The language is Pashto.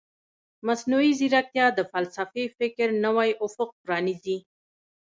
مصنوعي ځیرکتیا د فلسفي فکر نوی افق پرانیزي.